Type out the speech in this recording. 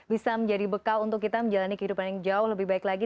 bisa menjadi bekal untuk kita menjalani kehidupan yang jauh lebih baik lagi